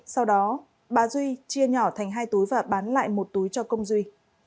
sau đó bà duy chia nhỏ thành hai túi và bán lại một túi cho công duy